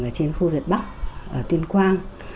ở trên khu việt bắc ở tuyên quang